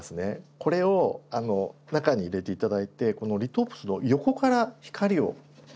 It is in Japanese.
これを中に入れて頂いてこのリトープスの横から光を当ててみて下さい。